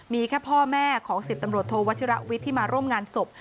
มีแค่พ่อแม่ของ๑๐ตำรวจโทวัชิระวิทย์ที่มาร่วมงานศพ